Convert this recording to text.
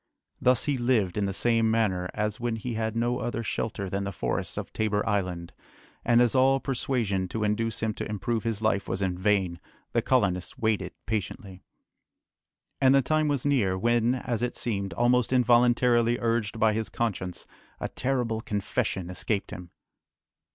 Thus he lived in the same manner as when he had no other shelter than the forests of Tabor Island, and as all persuasion to induce him to improve his life was in vain, the colonists waited patiently. And the time was near, when, as it seemed, almost involuntarily urged by his conscience, a terrible confession escaped him.